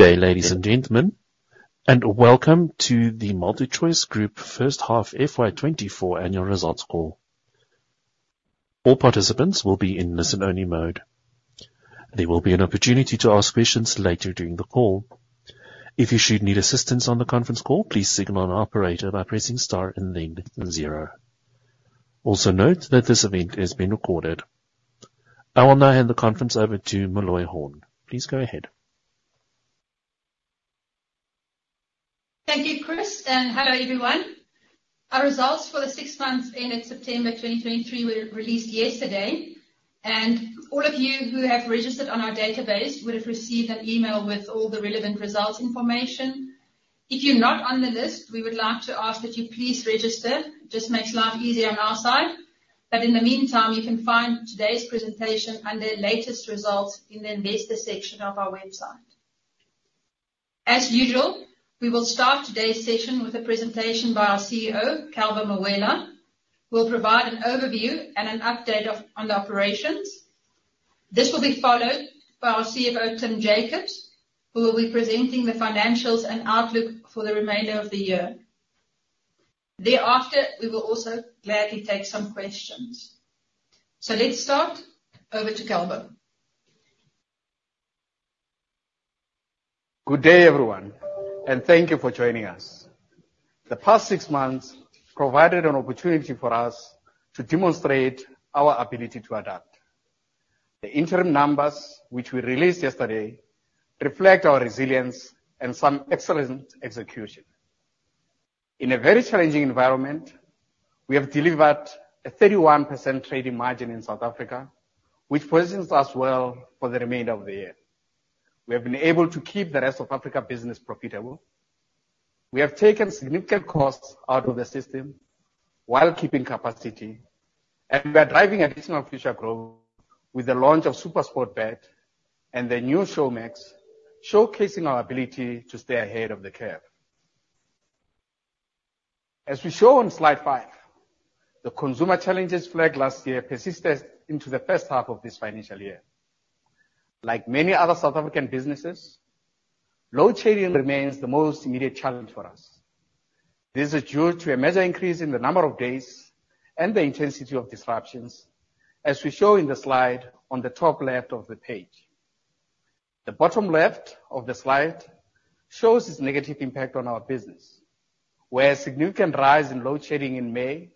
Good day, ladies and gentlemen, and welcome to the MultiChoice Group first half FY24 annual results call. All participants will be in listen-only mode. There will be an opportunity to ask questions later during the call. If you should need assistance on the conference call, please signal an operator by pressing star and then zero. Also, note that this event is being recorded. I will now hand the conference over to Meloy Horn. Please go ahead. Thank you, Chris, and hello, everyone. Our results for the six months ended September 2023 were released yesterday, and all of you who have registered on our database would have received an email with all the relevant results information. If you're not on the list, we would like to ask that you please register. Just makes life easier on our side, but in the meantime, you can find today's presentation and the latest results in the Investor section of our website. As usual, we will start today's session with a presentation by our CEO, Calvo Mawela, who will provide an overview and an update of, on the operations. This will be followed by our CFO, Tim Jacobs, who will be presenting the financials and outlook for the remainder of the year. Thereafter, we will also gladly take some questions. So let's start. Over to Calvo. Good day, everyone, and thank you for joining us. The past six months provided an opportunity for us to demonstrate our ability to adapt. The interim numbers, which we released yesterday, reflect our resilience and some excellent execution. In a very challenging environment, we have delivered a 31% trading margin in South Africa, which positions us well for the remainder of the year. We have been able to keep the Rest of Africa business profitable. We have taken significant costs out of the system while keeping capacity, and we are driving additional future growth with the launch of SuperSportBet and the new Showmax, showcasing our ability to stay ahead of the curve. As we show on slide 5, the consumer challenges flagged last year persisted into the first half of this financial year. Like many other South African businesses, load shedding remains the most immediate challenge for us. This is due to a major increase in the number of days and the intensity of disruptions, as we show in the slide on the top left of the page. The bottom left of the slide shows this negative impact on our business, where a significant rise in load shedding in May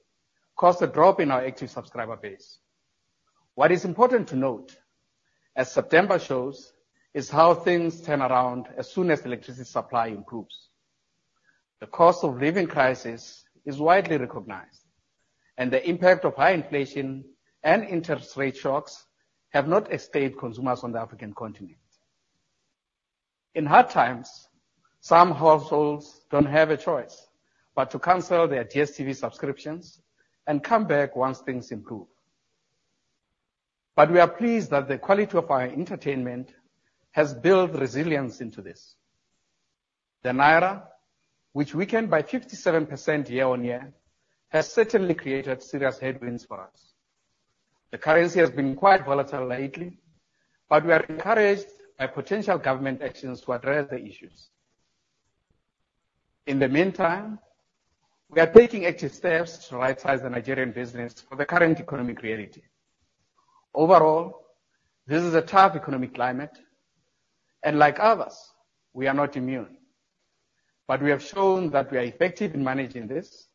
caused a drop in our active subscriber base. What is important to note, as September shows, is how things turn around as soon as electricity supply improves. The cost of living crisis is widely recognized, and the impact of high inflation and interest rate shocks have not escaped consumers on the African continent. In hard times, some households don't have a choice but to cancel their DStv subscriptions and come back once things improve. But we are pleased that the quality of our entertainment has built resilience into this. The naira, which weakened by 57% year-on-year, has certainly created serious headwinds for us. The currency has been quite volatile lately, but we are encouraged by potential government actions to address the issues. In the meantime, we are taking active steps to rightsize the Nigerian business for the current economic reality. Overall, this is a tough economic climate, and like others, we are not immune. But we have shown that we are effective in managing this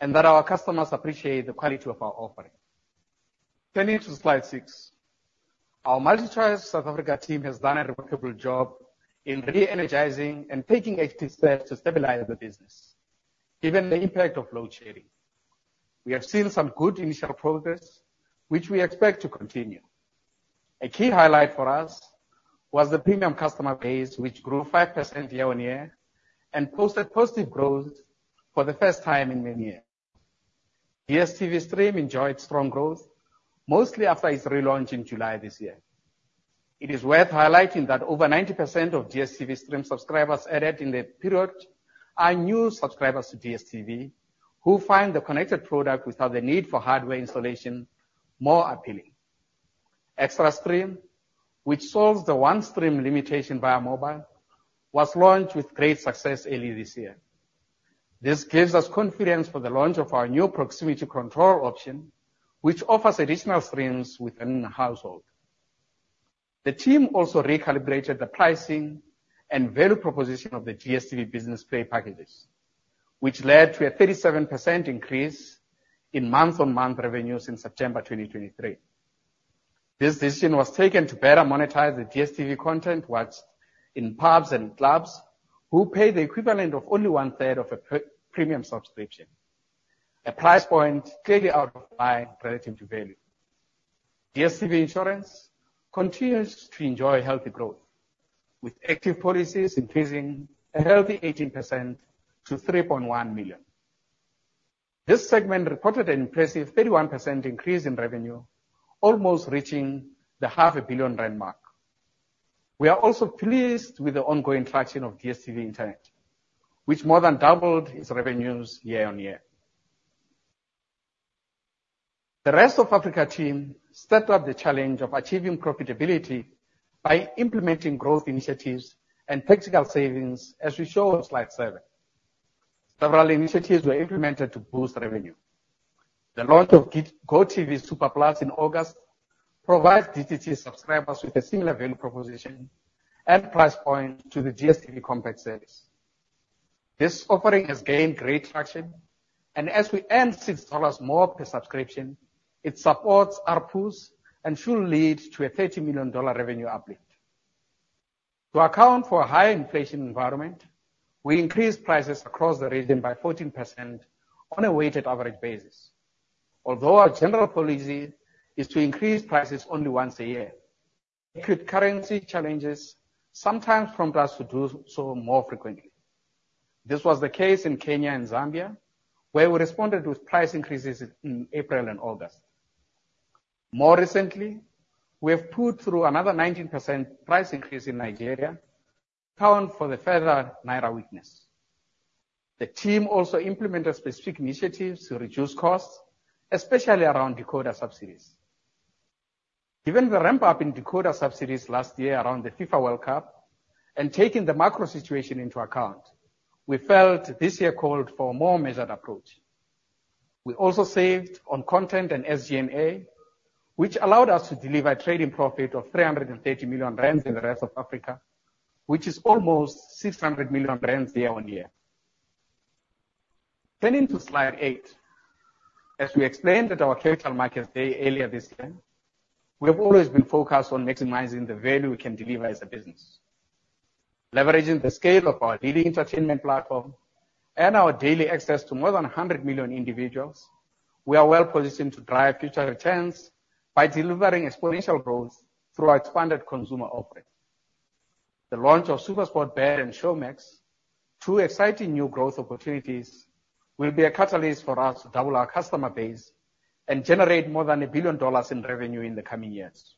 and that our customers appreciate the quality of our offering. Turning to slide 6. Our MultiChoice South Africa team has done a remarkable job in re-energizing and taking active steps to stabilize the business, given the impact of load shedding. We have seen some good initial progress, which we expect to continue. A key highlight for us was the premium customer base, which grew 5% year-on-year and posted positive growth for the first time in many years. DStv Stream enjoyed strong growth, mostly after its relaunch in July this year. It is worth highlighting that over 90% of DStv Stream subscribers added in the period are new subscribers to DStv, who find the connected product without the need for hardware installation more appealing. Extra Stream, which solves the one stream limitation via mobile, was launched with great success early this year. This gives us confidence for the launch of our new proximity control option, which offers additional streams within the household. The team also recalibrated the pricing and value proposition of the DStv Business Play packages, which led to a 37% increase in month-on-month revenues in September 2023. This decision was taken to better monetize the DStv content watched in pubs and clubs, who pay the equivalent of only one-third of a premium subscription, a price point clearly out of line relative to value. DStv Insurance continues to enjoy healthy growth, with active policies increasing a healthy 18% to 3.1 million. This segment reported an impressive 31% increase in revenue, almost reaching the 500 million rand mark. We are also pleased with the ongoing traction of DStv Internet, which more than doubled its revenues year-on-year.... The Rest of Africa team stepped up the challenge of achieving profitability by implementing growth initiatives and tactical savings, as we show on slide 7. Several initiatives were implemented to boost revenue. The launch of GOtv Supa Plus in August provides DTT subscribers with a similar value proposition and price point to the DStv Compact service. This offering has gained great traction, and as we earn $6 more per subscription, it supports our pools and should lead to a $30 million revenue uplift. To account for a high inflation environment, we increased prices across the region by 14% on a weighted average basis. Although our general policy is to increase prices only once a year, acute currency challenges sometimes prompt us to do so more frequently. This was the case in Kenya and Zambia, where we responded with price increases in April and August. More recently, we have put through another 19% price increase in Nigeria to account for the further Naira weakness. The team also implemented specific initiatives to reduce costs, especially around decoder subsidies. Given the ramp-up in decoder subsidies last year around the FIFA World Cup, and taking the macro situation into account, we felt this year called for a more measured approach. We also saved on content and SG&A, which allowed us to deliver a trading profit of 330 million rand in the Rest of Africa, which is almost 600 million rand year-on-year. Turning to Slide 8, as we explained at our Capital Markets Day earlier this year, we have always been focused on maximizing the value we can deliver as a business. Leveraging the scale of our leading entertainment platform and our daily access to more than 100 million individuals, we are well positioned to drive future returns by delivering exponential growth through our expanded consumer offering. The launch of SuperSport Bet and Showmax, two exciting new growth opportunities, will be a catalyst for us to double our customer base and generate more than $1 billion in revenue in the coming years.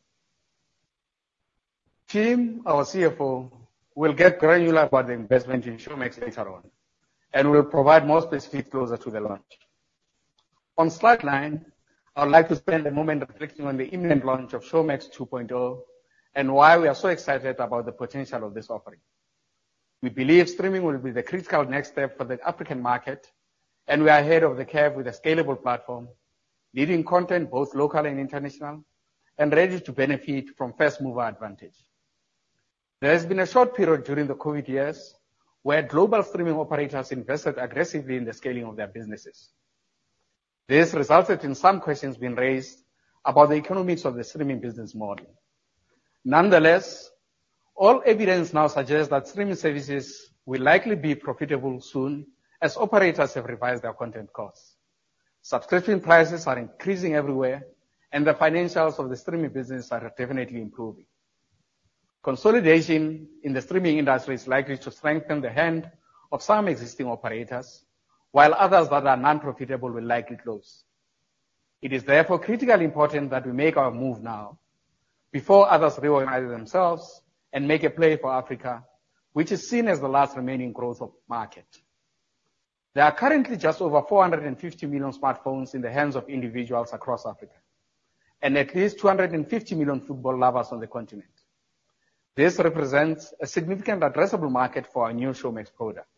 Tim, our CFO, will get granular about the investment in Showmax later on, and we'll provide more specifics closer to the launch. On slide 9, I would like to spend a moment reflecting on the imminent launch of Showmax 2.0, and why we are so excited about the potential of this offering. We believe streaming will be the critical next step for the African market, and we are ahead of the curve with a scalable platform, leading content, both local and international, and ready to benefit from first mover advantage. There has been a short period during the COVID years where global streaming operators invested aggressively in the scaling of their businesses. This resulted in some questions being raised about the economics of the streaming business model. Nonetheless, all evidence now suggests that streaming services will likely be profitable soon, as operators have revised their content costs. Subscription prices are increasing everywhere, and the financials of the streaming business are definitely improving. Consolidation in the streaming industry is likely to strengthen the hand of some existing operators, while others that are non-profitable will likely close. It is therefore critically important that we make our move now, before others reorganize themselves and make a play for Africa, which is seen as the last remaining growth of market. There are currently just over 450 million smartphones in the hands of individuals across Africa and at least 250 million football lovers on the continent. This represents a significant addressable market for our new Showmax product.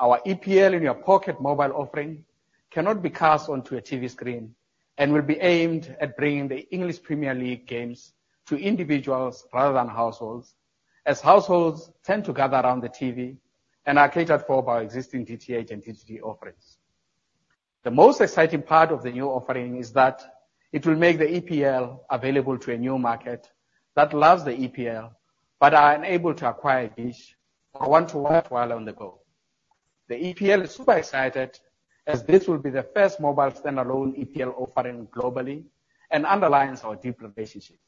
Our EPL in your pocket mobile offering cannot be cast onto a TV screen and will be aimed at bringing the English Premier League games to individuals rather than households, as households tend to gather around the TV and are catered for by existing DTH and DTT offerings. The most exciting part of the new offering is that it will make the EPL available to a new market that loves the EPL but are unable to acquire dish or want to watch while on the go. The EPL is super excited, as this will be the first mobile standalone EPL offering globally and underlines our deep relationship.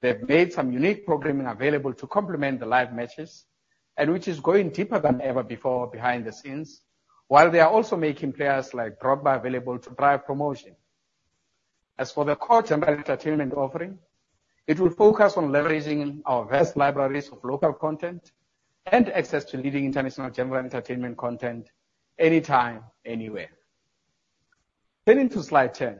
They've made some unique programming available to complement the live matches and which is going deeper than ever before behind the scenes, while they are also making players like Drogba available to drive promotion. As for the core general entertainment offering, it will focus on leveraging our vast libraries of local content and access to leading international general entertainment content anytime, anywhere. Getting to Slide 10.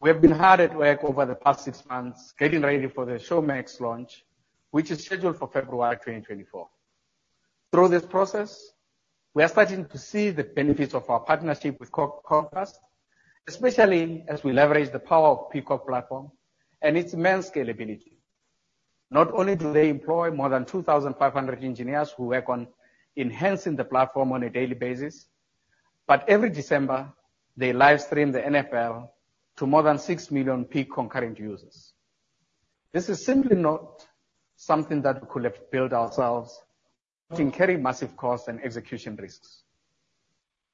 We have been hard at work over the past 6 months, getting ready for the Showmax launch, which is scheduled for February 2024. Through this process, we are starting to see the benefits of our partnership with Comcast, especially as we leverage the power of Peacock platform and its immense scalability. Not only do they employ more than 2,500 engineers who work on enhancing the platform on a daily basis, but every December, they live stream the NFL to more than 6 million peak concurrent users. This is simply not something that we could have built ourselves, which can carry massive costs and execution risks.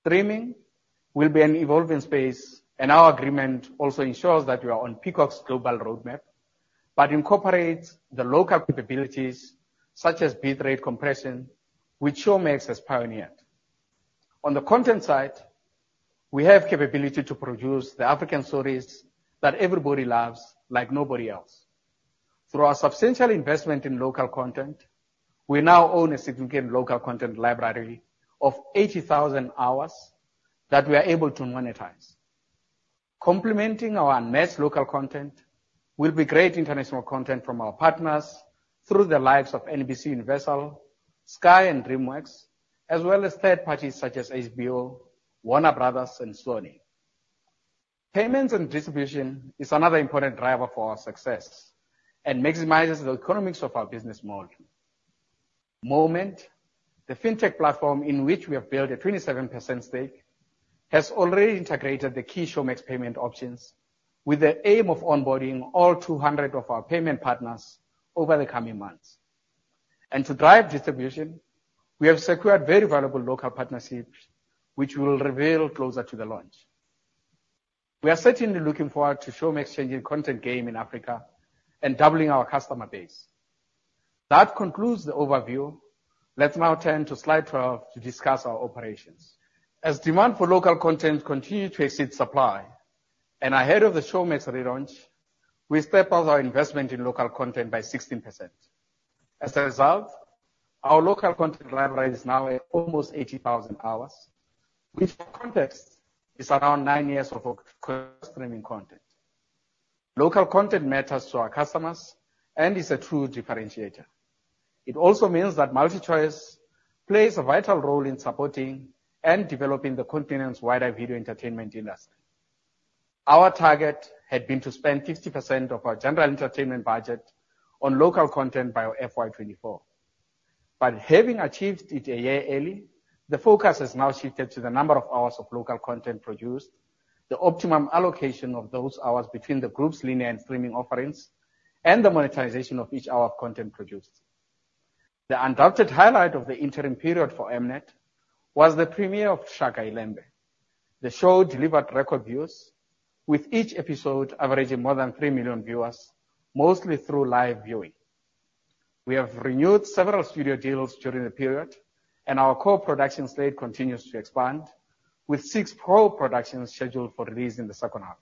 Streaming will be an evolving space, and our agreement also ensures that we are on Peacock's global roadmap, but incorporates the local capabilities such as bitrate compression, which Showmax has pioneered. On the content side, we have capability to produce the African stories that everybody loves, like nobody else.... Through our substantial investment in local content, we now own a significant local content library of 80,000 hours that we are able to monetize. Complementing our mass local content will be great international content from our partners through the likes of NBCUniversal, Sky and DreamWorks, as well as third parties such as HBO, Warner Bros., and Sony. Payments and distribution is another important driver for our success and maximizes the economics of our business model. Moment, the fintech platform in which we have built a 27% stake, has already integrated the key Showmax payment options with the aim of onboarding all 200 of our payment partners over the coming months. To drive distribution, we have secured very valuable local partnerships, which we will reveal closer to the launch. We are certainly looking forward to Showmax changing content game in Africa and doubling our customer base. That concludes the overview. Let's now turn to slide 12 to discuss our operations. As demand for local content continue to exceed supply, and ahead of the Showmax relaunch, we stepped up our investment in local content by 16%. As a result, our local content library is now at almost 80,000 hours, which for context, is around nine years of streaming content. Local content matters to our customers and is a true differentiator. It also means that MultiChoice plays a vital role in supporting and developing the continent's wider video entertainment industry. Our target had been to spend 50% of our general entertainment budget on local content by FY 2024, but having achieved it a year early, the focus has now shifted to the number of hours of local content produced, the optimum allocation of those hours between the group's linear and streaming offerings, and the monetization of each hour of content produced. The undoubted highlight of the interim period for M-Net was the premiere of Shaka iLembe. The show delivered record views, with each episode averaging more than 3 million viewers, mostly through live viewing. We have renewed several studio deals during the period, and our co-production slate continues to expand, with 6 co-productions scheduled for release in the second half.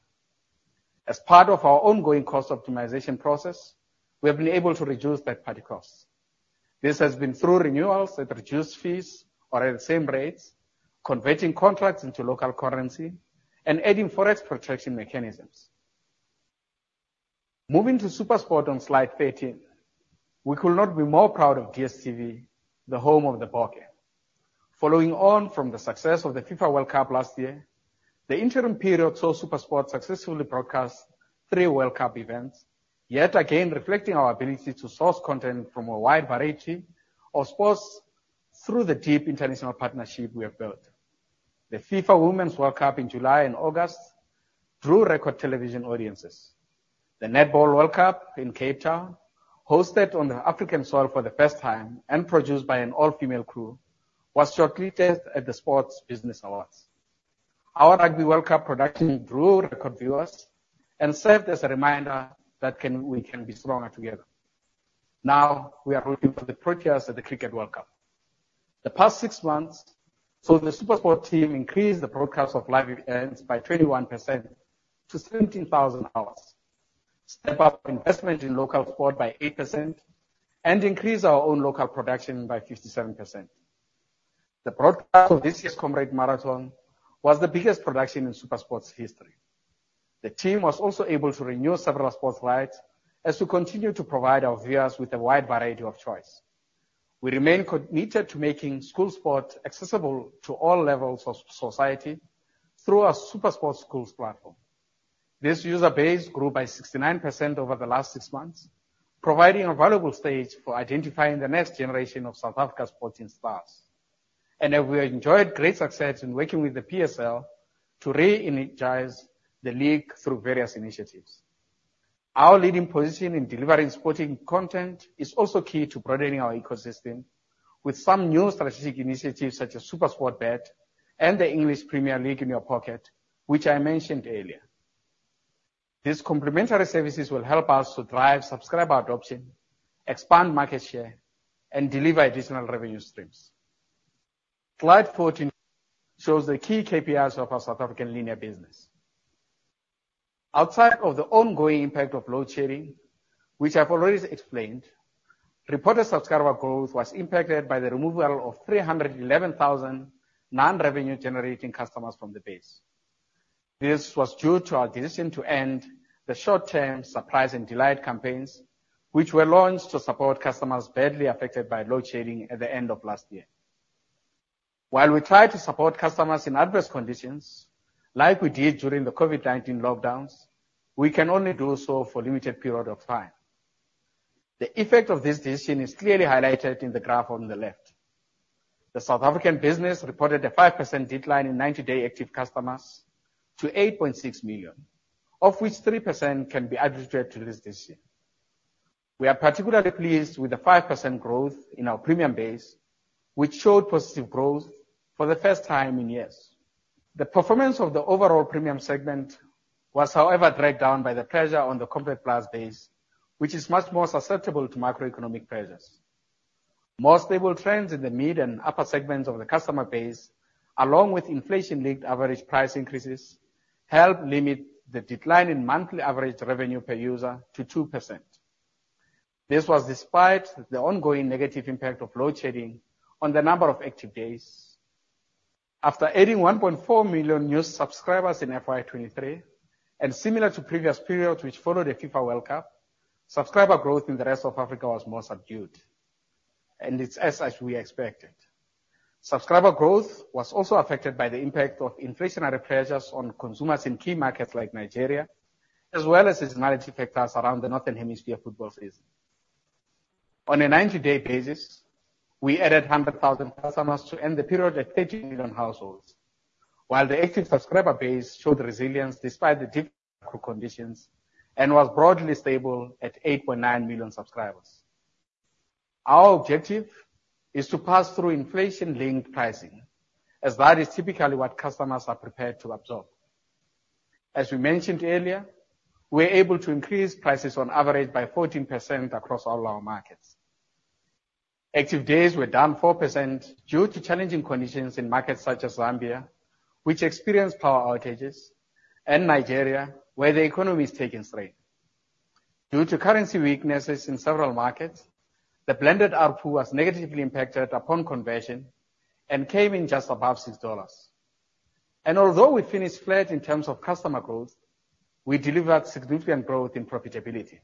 As part of our ongoing cost optimization process, we have been able to reduce third-party costs. This has been through renewals at reduced fees or at the same rates, converting contracts into local currency, and adding forex protection mechanisms. Moving to SuperSport on slide 13, we could not be more proud of DStv, the home of the Bokke. Following on from the success of the FIFA World Cup last year, the interim period saw SuperSport successfully broadcast three World Cup events, yet again reflecting our ability to source content from a wide variety of sports through the deep international partnership we have built. The FIFA Women's World Cup in July and August drew record television audiences. The Netball World Cup in Cape Town, hosted on the African soil for the first time and produced by an all-female crew, was shortlisted at the Sports Business Awards. Our Rugby World Cup production drew record viewers and served as a reminder that we can be stronger together. Now, we are looking for the Proteas at the Cricket World Cup. The past six months saw the SuperSport team increase the broadcast of live events by 21% to 17,000 hours, step up investment in local sport by 8%, and increase our own local production by 57%. The broadcast of this year's Comrades Marathon was the biggest production in SuperSport's history. The team was also able to renew several sports rights as we continue to provide our viewers with a wide variety of choice. We remain committed to making school sport accessible to all levels of society through our SuperSport Schools platform. This user base grew by 69% over the last 6 months, providing a valuable stage for identifying the next generation of South Africa's sporting stars. We have enjoyed great success in working with the PSL to re-energize the league through various initiatives. Our leading position in delivering sporting content is also key to broadening our ecosystem, with some new strategic initiatives such as SuperSport Bet and the English Premier League in your pocket, which I mentioned earlier. These complementary services will help us to drive subscriber adoption, expand market share, and deliver additional revenue streams. Slide 14 shows the key KPIs of our South African linear business. Outside of the ongoing impact of load shedding, which I've already explained, reported subscriber growth was impacted by the removal of 311,000 non-revenue generating customers from the base. This was due to our decision to end the short-term surprise and delight campaigns, which were launched to support customers badly affected by load shedding at the end of last year. While we try to support customers in adverse conditions, like we did during the COVID-19 lockdowns, we can only do so for a limited period of time. The effect of this decision is clearly highlighted in the graph on the left. The South African business reported a 5% decline in ninety-day active customers to 8.6 million, of which 3% can be attributed to this decision. We are particularly pleased with the 5% growth in our premium base, which showed positive growth for the first time in years. The performance of the overall premium segment was, however, dragged down by the pressure on the Compact Plus base, which is much more susceptible to macroeconomic pressures.... More stable trends in the mid and upper segments of the customer base, along with inflation-linked average price increases, helped limit the decline in monthly average revenue per user to 2%. This was despite the ongoing negative impact of load shedding on the number of active days. After adding 1.4 million new subscribers in FY 2023, and similar to previous periods, which followed the FIFA World Cup, subscriber growth in the Rest of Africa was more subdued, and it's as we expected. Subscriber growth was also affected by the impact of inflationary pressures on consumers in key markets like Nigeria, as well as seasonality factors around the Northern Hemisphere football season. On a 90-day basis, we added 100,000 customers to end the period at 30 million households, while the active subscriber base showed resilience despite the difficult conditions and was broadly stable at 8.9 million subscribers. Our objective is to pass through inflation-linked pricing, as that is typically what customers are prepared to absorb. As we mentioned earlier, we're able to increase prices on average by 14% across all our markets. Active days were down 4% due to challenging conditions in markets such as Zambia, which experienced power outages, and Nigeria, where the economy is taking strain. Due to currency weaknesses in several markets, the blended ARPU was negatively impacted upon conversion and came in just above $6. Although we finished flat in terms of customer growth, we delivered significant growth in profitability.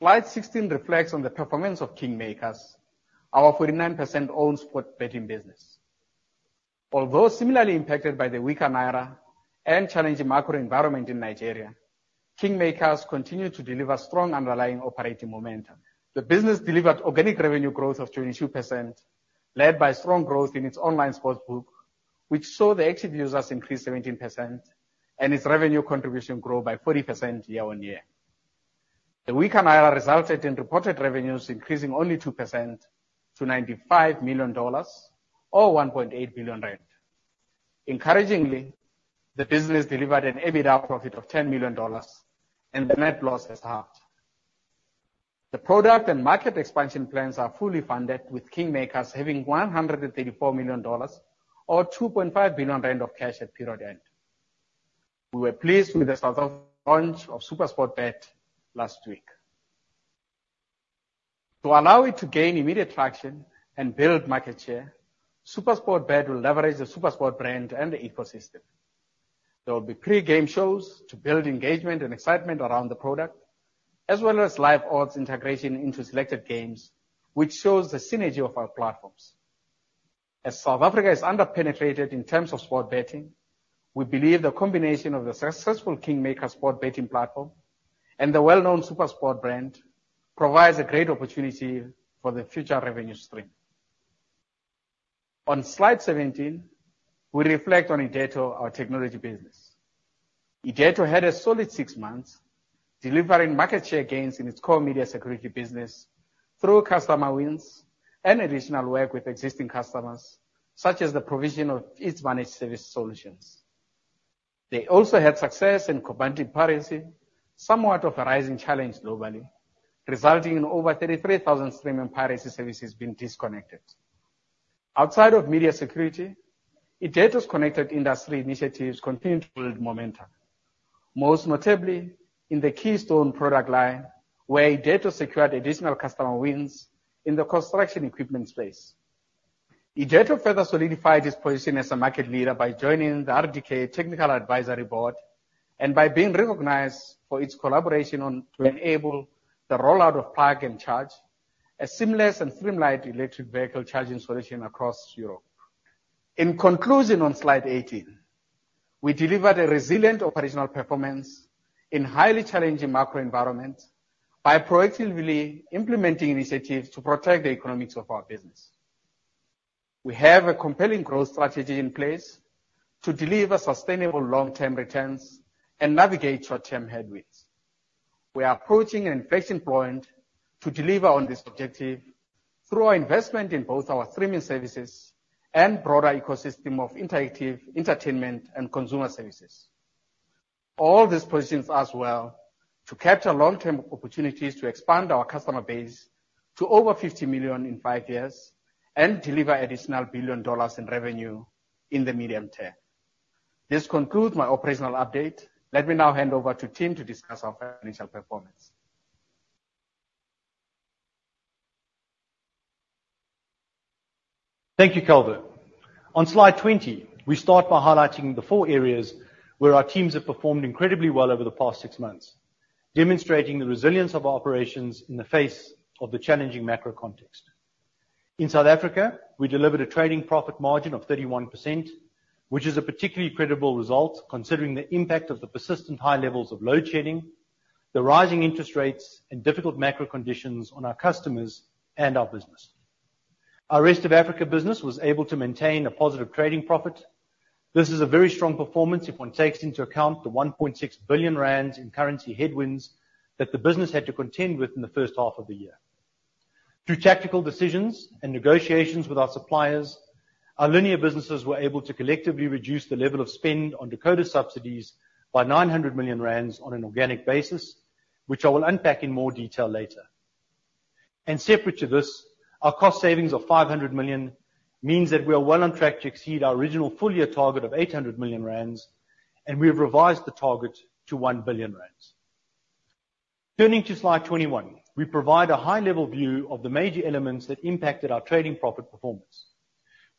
Slide 16 reflects on the performance of KingMakers, our 49% owned sports betting business. Although similarly impacted by the weaker naira and challenging macro environment in Nigeria, KingMakers continued to deliver strong underlying operating momentum. The business delivered organic revenue growth of 22%, led by strong growth in its online sportsbook, which saw the active users increase 17% and its revenue contribution grow by 40% year-on-year. The weaker naira resulted in reported revenues increasing only 2% to $95 million, or 1.8 billion. Encouragingly, the business delivered an EBITDA profit of $10 million, and the net loss has halved. The product and market expansion plans are fully funded, with KingMakers having $134 million or 2.5 billion rand of cash at period end. We were pleased with the successful launch of SuperSportBet last week. To allow it to gain immediate traction and build market share, SuperSportBet will leverage the SuperSport brand and the ecosystem. There will be pre-game shows to build engagement and excitement around the product, as well as live odds integration into selected games, which shows the synergy of our platforms. As South Africa is under-penetrated in terms of sports betting, we believe the combination of the successful KingMakers sports betting platform and the well-known SuperSport brand provides a great opportunity for the future revenue stream. On Slide 17, we reflect on Irdeto, our technology business. Irdeto had a solid six months, delivering market share gains in its core media security business through customer wins and additional work with existing customers, such as the provision of its managed service solutions. They also had success in combating piracy, somewhat of a rising challenge globally, resulting in over 33,000 streaming piracy services being disconnected. Outside of media security, Irdeto's connected industry initiatives continued to build momentum, most notably in the Keystone product line, where Irdeto secured additional customer wins in the construction equipment space. Irdeto further solidified its position as a market leader by joining the RDK Technical Advisory Board and by being recognized for its collaboration on, to enable the rollout of Plug & Charge, a seamless and streamlined electric vehicle charging solution across Europe. In conclusion, on Slide 18, we delivered a resilient operational performance in highly challenging macro environment by proactively implementing initiatives to protect the economics of our business. We have a compelling growth strategy in place to deliver sustainable long-term returns and navigate short-term headwinds. We are approaching inflection point to deliver on this objective through our investment in both our streaming services and broader ecosystem of interactive entertainment and consumer services. All this positions us well to capture long-term opportunities to expand our customer base to over 50 million in 5 years and deliver additional $1 billion in revenue in the medium term. This concludes my operational update. Let me now hand over to Tim to discuss our financial performance. Thank you, Calvo. On Slide 20, we start by highlighting the four areas where our teams have performed incredibly well over the past six months, demonstrating the resilience of our operations in the face of the challenging macro context. In South Africa, we delivered a trading profit margin of 31%, which is a particularly credible result considering the impact of the persistent high levels of load shedding, the rising interest rates, and difficult macro conditions on our customers and our business. Our Rest of Africa business was able to maintain a positive trading profit. This is a very strong performance if one takes into account the 1.6 billion rand in currency headwinds that the business had to contend with in the first half of the year. Through tactical decisions and negotiations with our suppliers... Our linear businesses were able to collectively reduce the level of spend on decoder subsidies by 900 million rand on an organic basis, which I will unpack in more detail later. Separate to this, our cost savings of 500 million means that we are well on track to exceed our original full year target of 800 million rand, and we have revised the target to 1 billion rand. Turning to slide 21, we provide a high-level view of the major elements that impacted our trading profit performance.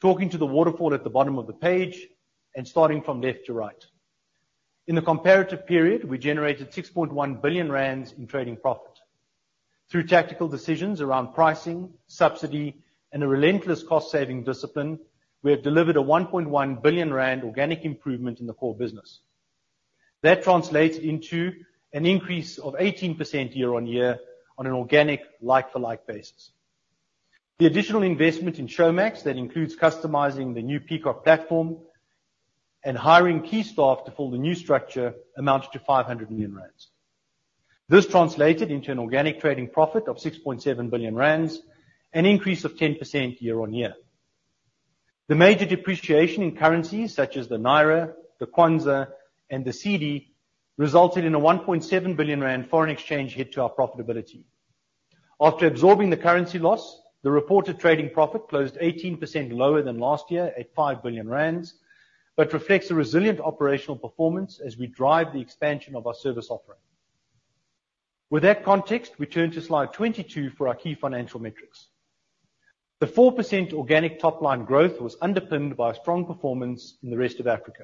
Talking to the waterfall at the bottom of the page and starting from left to right. In the comparative period, we generated 6.1 billion rand in trading profit. Through tactical decisions around pricing, subsidy, and a relentless cost-saving discipline, we have delivered a 1.1 billion rand organic improvement in the core business. That translated into an increase of 18% year-on-year on an organic like-for-like basis. The additional investment in Showmax, that includes customizing the new Peacock platform and hiring key staff to fill the new structure, amounted to 500 million rand. This translated into an organic trading profit of 6.7 billion rand, an increase of 10% year-on-year. The major depreciation in currencies such as the naira, the kwanza, and the cedi, resulted in a 1.7 billion rand foreign exchange hit to our profitability. After absorbing the currency loss, the reported trading profit closed 18% lower than last year at 5 billion rand, but reflects a resilient operational performance as we drive the expansion of our service offering. With that context, we turn to slide 22 for our key financial metrics. The 4% organic top-line growth was underpinned by a strong performance in the Rest of Africa.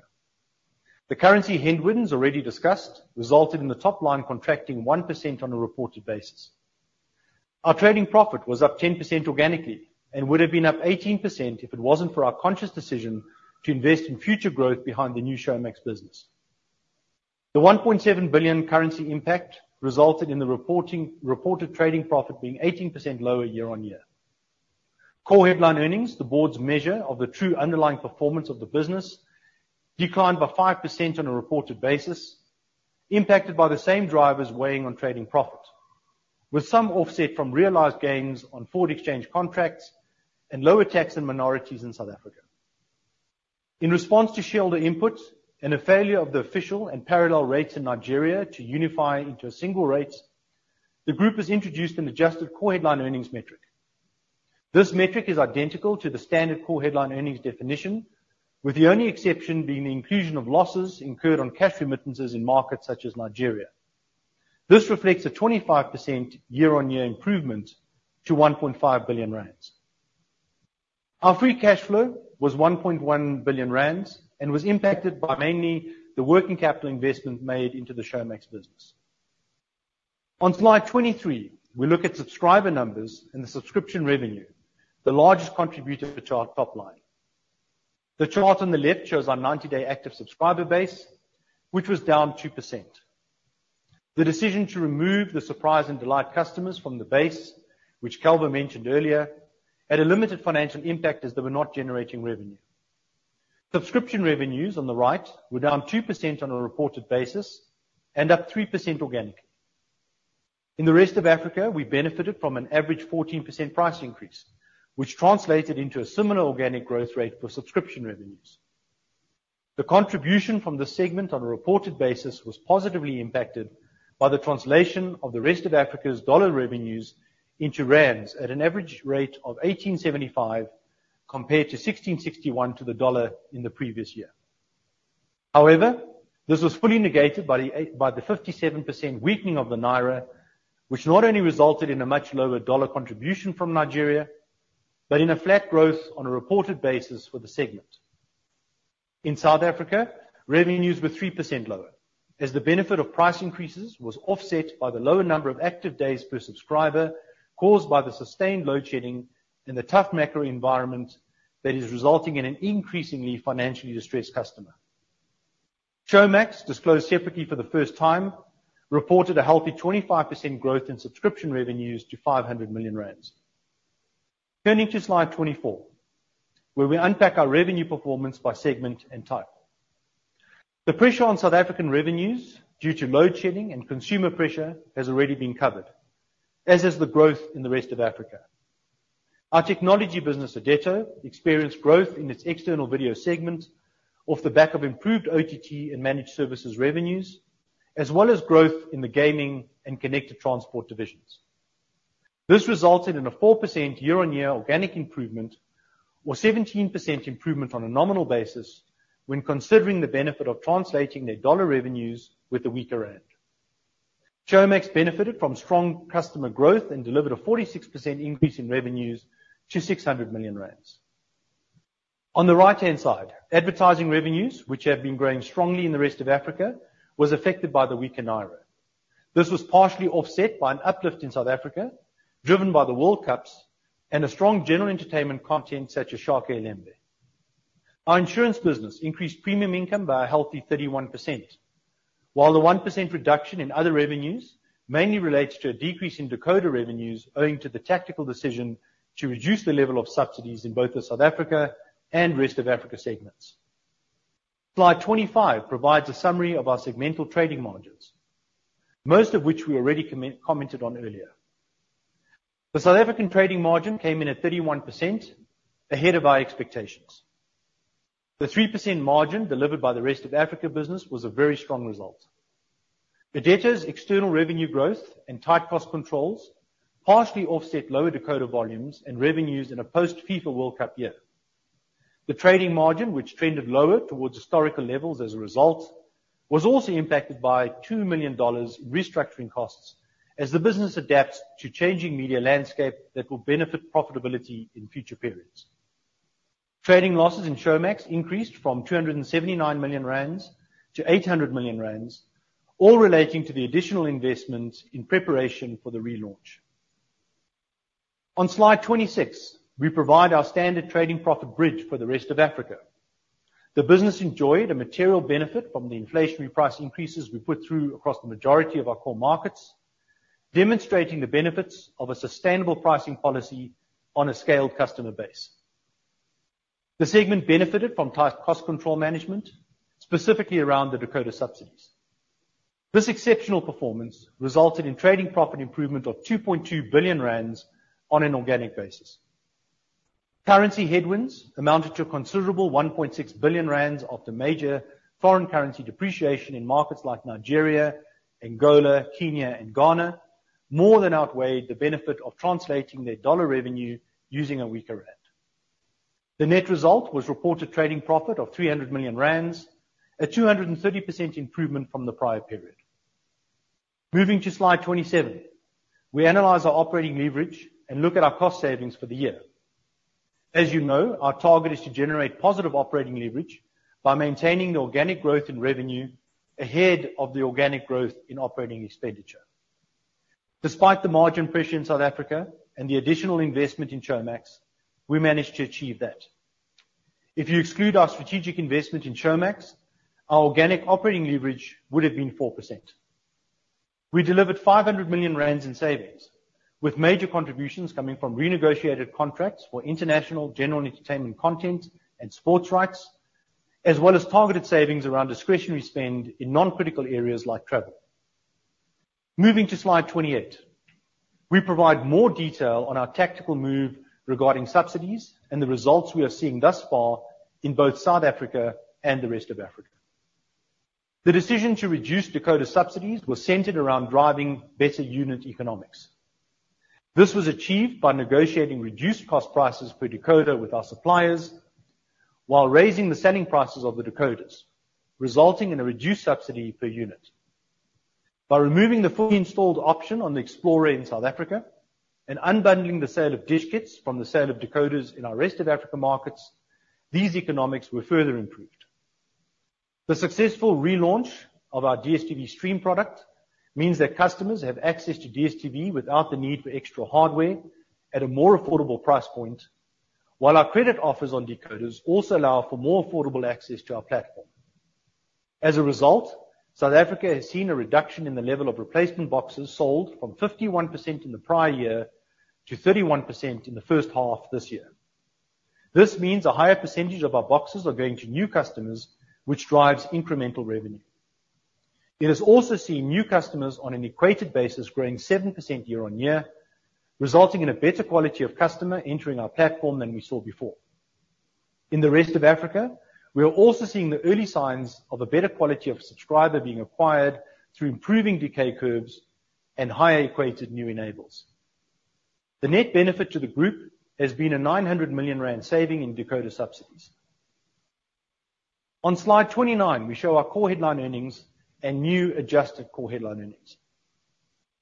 The currency headwinds already discussed resulted in the top line contracting 1% on a reported basis. Our trading profit was up 10% organically and would have been up 18% if it wasn't for our conscious decision to invest in future growth behind the new Showmax business. The 1.7 billion currency impact resulted in the reporting, reported trading profit being 18% lower year-on-year. Core headline earnings, the board's measure of the true underlying performance of the business, declined by 5% on a reported basis, impacted by the same drivers weighing on trading profit, with some offset from realized gains on forward exchange contracts and lower tax and minorities in South Africa. In response to shareholder input and a failure of the official and parallel rates in Nigeria to unify into a single rate, the group has introduced an adjusted Core headline earnings metric. This metric is identical to the standard Core headline earnings definition, with the only exception being the inclusion of losses incurred on cash remittances in markets such as Nigeria. This reflects a 25% year-over-year improvement to 1.5 billion rand. Our free cash flow was 1.1 billion rand and was impacted by mainly the working capital investment made into the Showmax business. On Slide 23, we look at subscriber numbers and the subscription revenue, the largest contributor to our top line. The chart on the left shows our 90-day active subscriber base, which was down 2%. The decision to remove the surprise and delight customers from the base, which Calvo mentioned earlier, had a limited financial impact as they were not generating revenue. Subscription revenues on the right were down 2% on a reported basis and up 3% organically. In the Rest of Africa, we benefited from an average 14% price increase, which translated into a similar organic growth rate for subscription revenues. The contribution from the segment on a reported basis was positively impacted by the translation of the Rest of Africa's dollar revenues into rands at an average rate of 18.75, compared to 16.61 to the dollar in the previous year. However, this was fully negated by the 57% weakening of the naira, which not only resulted in a much lower dollar contribution from Nigeria, but in a flat growth on a reported basis for the segment. In South Africa, revenues were 3% lower, as the benefit of price increases was offset by the lower number of active days per subscriber caused by the sustained load shedding and the tough macro environment that is resulting in an increasingly financially distressed customer. Showmax, disclosed separately for the first time, reported a healthy 25% growth in subscription revenues to 500 million rand. Turning to slide 24, where we unpack our revenue performance by segment and type. The pressure on South African revenues due to load shedding and consumer pressure has already been covered, as is the growth in the Rest of Africa. Our technology business, Irdeto, experienced growth in its external video segment off the back of improved OTT and managed services revenues, as well as growth in the gaming and connected transport divisions. This resulted in a 4% year-on-year organic improvement or 17% improvement on a nominal basis when considering the benefit of translating their dollar revenues with the weaker rand. Showmax benefited from strong customer growth and delivered a 46% increase in revenues to 600 million rand. On the right-hand side, advertising revenues, which have been growing strongly in the Rest of Africa, was affected by the weaker naira. This was partially offset by an uplift in South Africa, driven by the World Cups and a strong general entertainment content such as Shaka iLembe. Our insurance business increased premium income by a healthy 31%, while the 1% reduction in other revenues mainly relates to a decrease in decoder revenues, owing to the tactical decision to reduce the level of subsidies in both the South Africa and Rest of Africa segments. Slide 25 provides a summary of our segmental trading margins, most of which we already commented on earlier. The South African trading margin came in at 31%, ahead of our expectations. The 3% margin delivered by the Rest of Africa business was a very strong result. Irdeto's external revenue growth and tight cost controls partially offset lower decoder volumes and revenues in a post-FIFA World Cup year. The trading margin, which trended lower towards historical levels as a result, was also impacted by $2 million restructuring costs as the business adapts to changing media landscape that will benefit profitability in future periods. Trading losses in Showmax increased from 279 million rand to 800 million rand, all relating to the additional investments in preparation for the relaunch. On Slide 26, we provide our standard trading profit bridge for the Rest of Africa. The business enjoyed a material benefit from the inflationary price increases we put through across the majority of our core markets, demonstrating the benefits of a sustainable pricing policy on a scaled customer base. The segment benefited from tight cost control management, specifically around the decoder subsidies. This exceptional performance resulted in trading profit improvement of 2.2 billion rand on an organic basis. Currency headwinds amounted to a considerable 1.6 billion rand after major foreign currency depreciation in markets like Nigeria, Angola, Kenya, and Ghana, more than outweighed the benefit of translating their U.S. dollar revenue using a weaker rand. The net result was reported trading profit of 300 million rand, a 230% improvement from the prior period. Moving to Slide 27, we analyze our operating leverage and look at our cost savings for the year. As you know, our target is to generate positive operating leverage by maintaining the organic growth in revenue ahead of the organic growth in operating expenditure. Despite the margin pressure in South Africa and the additional investment in Showmax, we managed to achieve that. If you exclude our strategic investment in Showmax, our organic operating leverage would have been 4%. We delivered 500 million rand in savings, with major contributions coming from renegotiated contracts for international general entertainment content and sports rights, as well as targeted savings around discretionary spend in non-critical areas like travel. Moving to Slide 28, we provide more detail on our tactical move regarding subsidies and the results we are seeing thus far in both South Africa and the Rest of Africa. The decision to reduce decoder subsidies was centered around driving better unit economics. This was achieved by negotiating reduced cost prices per decoder with our suppliers, while raising the selling prices of the decoders, resulting in a reduced subsidy per unit. By removing the fully installed option on the Explora in South Africa and unbundling the sale of dish kits from the sale of decoders in our Rest of Africa markets, these economics were further improved. The successful relaunch of our DStv Stream product means that customers have access to DStv without the need for extra hardware at a more affordable price point, while our credit offers on decoders also allow for more affordable access to our platform. As a result, South Africa has seen a reduction in the level of replacement boxes sold from 51% in the prior year to 31% in the first half this year. This means a higher percentage of our boxes are going to new customers, which drives incremental revenue. It has also seen new customers on an equated basis growing 7% year-on-year, resulting in a better quality of customer entering our platform than we saw before. In the Rest of Africa, we are also seeing the early signs of a better quality of subscriber being acquired through improving decay curves and higher equated new enables. The net benefit to the group has been a 900 million rand saving in decoder subsidies. On Slide 29, we show our core headline earnings and new adjusted core headline earnings.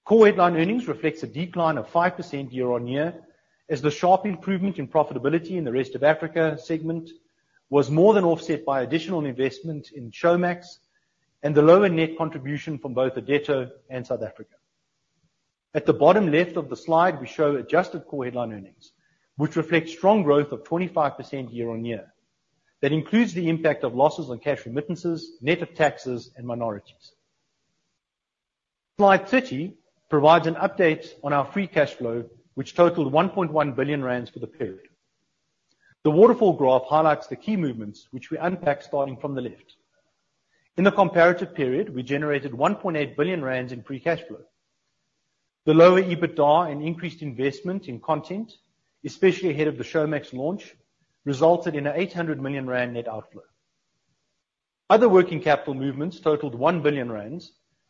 Core headline earnings reflects a decline of 5% year-on-year, as the sharp improvement in profitability in the Rest of Africa segment was more than offset by additional investment in Showmax and the lower net contribution from both Irdeto and South Africa. At the bottom left of the slide, we show adjusted core headline earnings, which reflect strong growth of 25% year-on-year. That includes the impact of losses on cash remittances, net of taxes and minorities. Slide 30 provides an update on our free cash flow, which totaled 1.1 billion rand for the period. The waterfall graph highlights the key movements, which we unpack, starting from the left. In the comparative period, we generated 1.8 billion rand in free cash flow. The lower EBITDA and increased investment in content, especially ahead of the Showmax launch, resulted in a 800 million rand net outflow. Other working capital movements totaled 1 billion rand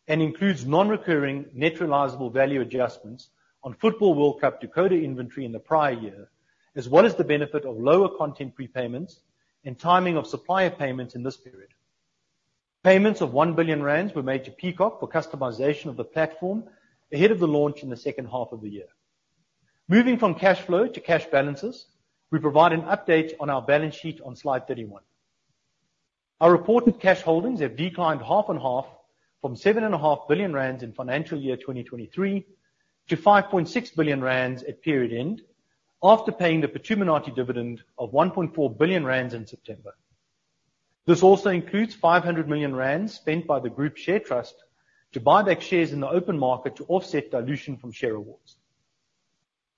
and includes non-recurring net realizable value adjustments on Football World Cup decoder inventory in the prior year, as well as the benefit of lower content prepayments and timing of supplier payments in this period. Payments of 1 billion rand were made to Peacock for customization of the platform ahead of the launch in the second half of the year. Moving from cash flow to cash balances, we provide an update on our balance sheet on Slide 31. Our reported cash holdings have declined half-on-half from 7.5 billion rand in financial year 2023 to 5.6 billion rand at period end, after paying the Phuthuma Nathi dividend of 1.4 billion rand in September. This also includes 500 million rand spent by the group share trust to buy back shares in the open market to offset dilution from share awards.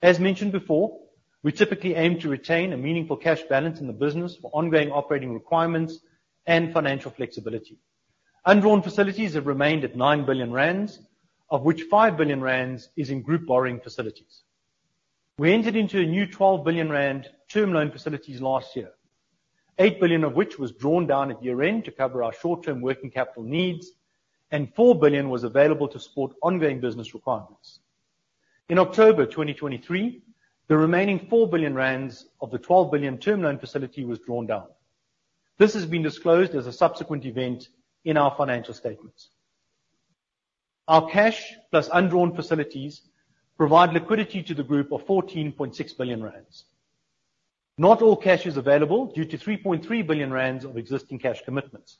As mentioned before, we typically aim to retain a meaningful cash balance in the business for ongoing operating requirements and financial flexibility. Undrawn facilities have remained at 9 billion rand, of which 5 billion rand is in group borrowing facilities. We entered into a new 12 billion rand term loan facilities last year, eight billion of which was drawn down at year-end to cover our short-term working capital needs and four billion was available to support ongoing business requirements. In October 2023, the remaining 4 billion rand of the 12 billion term loan facility was drawn down. This has been disclosed as a subsequent event in our financial statements. Our cash, plus undrawn facilities, provide liquidity to the group of 14.6 billion rand. Not all cash is available due to 3.3 billion rand of existing cash commitments.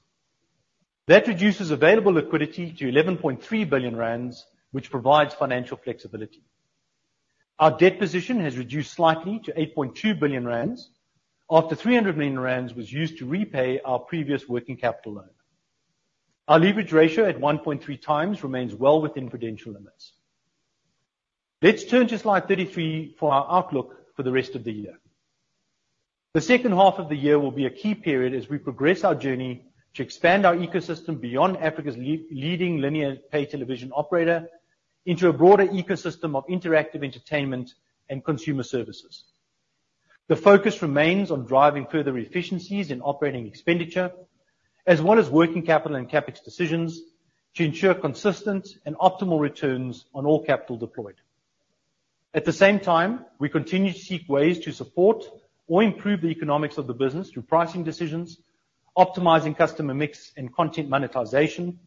That reduces available liquidity to 11.3 billion rand, which provides financial flexibility. Our debt position has reduced slightly to 8.2 billion rand, after 300 million rand was used to repay our previous working capital loan. Our leverage ratio at 1.3 times, remains well within prudential limits. Let's turn to slide 33 for our outlook for the rest of the year. The second half of the year will be a key period as we progress our journey to expand our ecosystem beyond Africa's leading linear pay television operator into a broader ecosystem of interactive entertainment and consumer services. The focus remains on driving further efficiencies in operating expenditure, as well as working capital and CapEx decisions to ensure consistent and optimal returns on all capital deployed. At the same time, we continue to seek ways to support or improve the economics of the business through pricing decisions, optimizing customer mix and content monetization,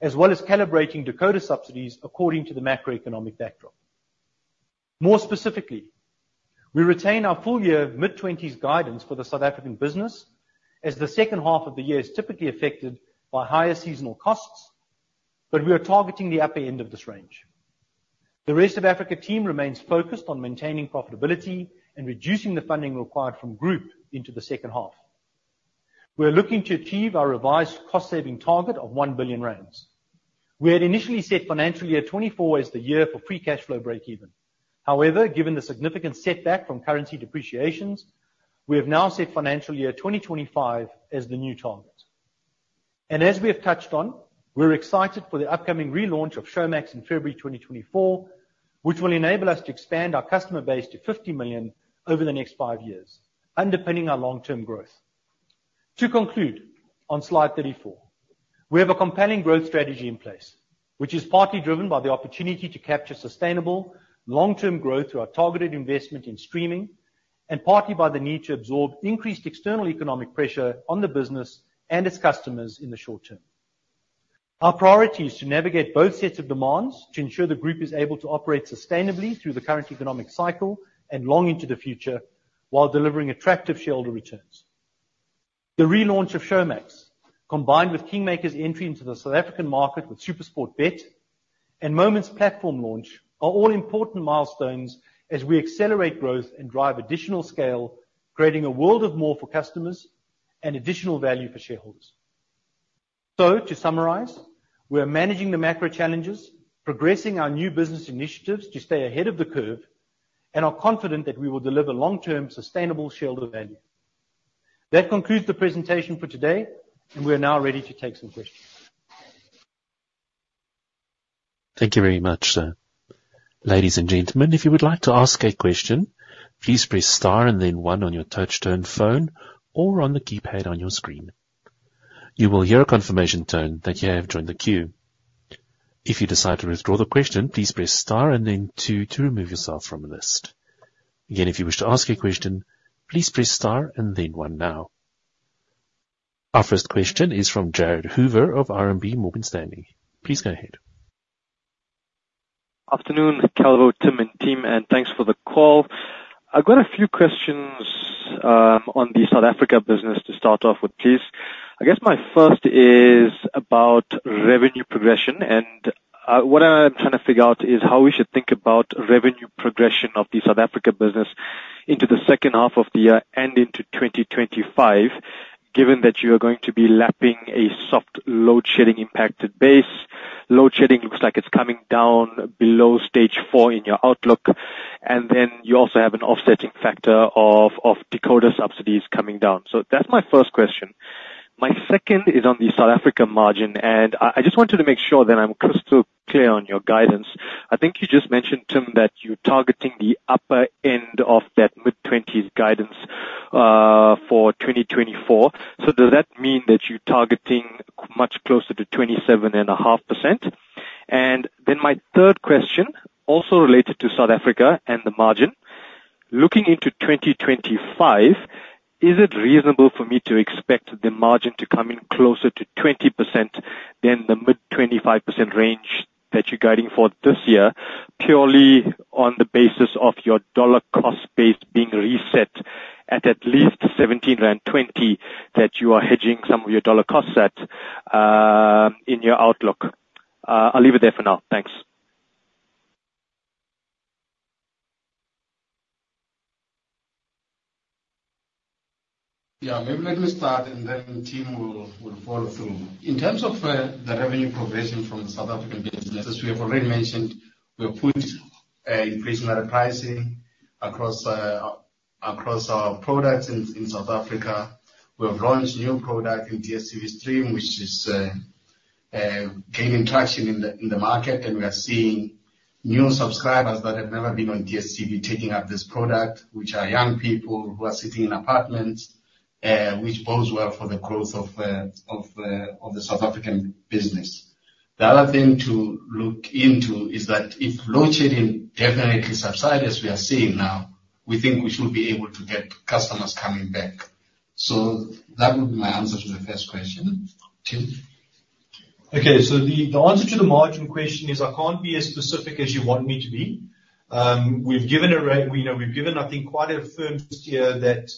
as well as calibrating decoder subsidies according to the macroeconomic backdrop. More specifically, we retain our full year mid-20s guidance for the South African business, as the second half of the year is typically affected by higher seasonal costs, but we are targeting the upper end of this range. The Rest of Africa team remains focused on maintaining profitability and reducing the funding required from group into the second half. We are looking to achieve our revised cost saving target of 1 billion rand. We had initially set financial year 2024 as the year for free cash flow breakeven. However, given the significant setback from currency depreciations, we have now set financial year 2025 as the new target. And as we have touched on, we're excited for the upcoming relaunch of Showmax in February 2024, which will enable us to expand our customer base to 50 million over the next 5 years, underpinning our long-term growth. To conclude, on Slide 34, we have a compelling growth strategy in place, which is partly driven by the opportunity to capture sustainable long-term growth through our targeted investment in streaming, and partly by the need to absorb increased external economic pressure on the business and its customers in the short term. Our priority is to navigate both sets of demands to ensure the group is able to operate sustainably through the current economic cycle and long into the future, while delivering attractive shareholder returns. The relaunch of Showmax, combined with KingMakers' entry into the South African market with SuperSportBet and Moment's platform launch, are all important milestones as we accelerate growth and drive additional scale, creating a world of more for customers and additional value for shareholders. To summarize, we are managing the macro challenges, progressing our new business initiatives to stay ahead of the curve, and are confident that we will deliver long-term, sustainable shareholder value. That concludes the presentation for today, and we are now ready to take some questions. Thank you very much, sir. Ladies and gentlemen, if you would like to ask a question, please press star and then one on your touch-tone phone or on the keypad on your screen. You will hear a confirmation tone that you have joined the queue. If you decide to withdraw the question, please press star and then two to remove yourself from the list. Again, if you wish to ask a question, please press star and then one now. Our first question is from Jared Hoover of RMB Morgan Stanley. Please go ahead. Afternoon, Calvo, Tim, and team, and thanks for the call. I've got a few questions on the South Africa business to start off with, please. I guess my first is about revenue progression, and what I'm trying to figure out is how we should think about revenue progression of the South Africa business into the second half of the year and into 2025, given that you are going to be lapping a soft load shedding impacted base. Load shedding looks like it's coming down below Stage 4 in your outlook, and then you also have an offsetting factor of decoder subsidies coming down. So that's my first question. My second is on the South Africa margin, and I just wanted to make sure that I'm crystal clear on your guidance. I think you just mentioned, Tim, that you're targeting the upper end of that mid-20s guidance, for 2024. So does that mean that you're targeting much closer to 27.5%? And then my third question, also related to South Africa and the margin. Looking into 2025, is it reasonable for me to expect the margin to come in closer to 20% than the mid-25% range that you're guiding for this year, purely on the basis of your dollar cost base being reset at least 17.20 rand, that you are hedging some of your dollar costs at, in your outlook? I'll leave it there for now. Thanks. ... Yeah, maybe let me start, and then Tim will follow through. In terms of the revenue progression from the South African businesses, we have already mentioned, we have put an increase in our pricing across our products in South Africa. We have launched new product in DStv Stream, which is gaining traction in the market, and we are seeing new subscribers that have never been on DStv taking up this product, which are young people who are sitting in apartments, which bodes well for the growth of the South African business. The other thing to look into is that if load shedding definitely subside, as we are seeing now, we think we should be able to get customers coming back. So that would be my answer to the first question. Tim? Okay, so the answer to the margin question is, I can't be as specific as you want me to be. You know, we've given, I think, quite a firm steer that